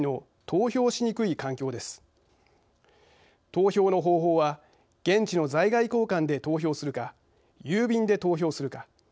投票の方法は現地の在外公館で投票するか郵便で投票するか。